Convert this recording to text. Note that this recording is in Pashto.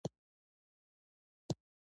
انګلیسي د تبادلې ژبه ده